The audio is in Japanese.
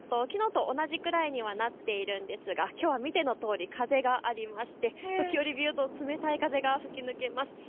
きのうと同じくらいになっているんですがきょうは見てのとおり風がありまして時折びゅうっと冷たい風が吹き抜けます。